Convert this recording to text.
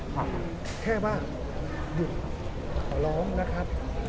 ฝากแค่ว่าหยุดขอร้องนะครับ